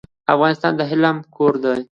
افغانستان د علم کور و.